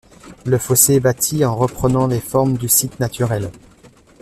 Le fossé est bâti en reprenant les formes du site naturel.